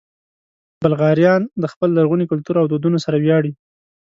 بلغاریان د خپل لرغوني کلتور او دودونو سره ویاړي.